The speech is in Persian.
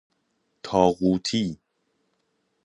طاغوتی